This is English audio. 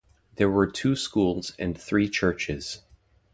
There were two schools and three churches.